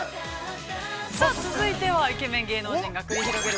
◆さあ続いては、イケメン芸能人が繰り広げる